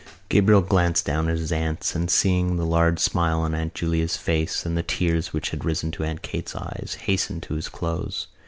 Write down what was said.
Gabriel glanced down at his aunts and, seeing the large smile on Aunt Julia's face and the tears which had risen to Aunt Kate's eyes, hastened to his close.